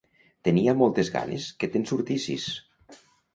Tenia moltes ganes que te'n sortissis.